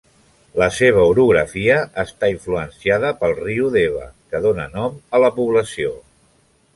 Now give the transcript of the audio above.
La seva orografia està influenciada pel riu Deva, que dóna nom a la població.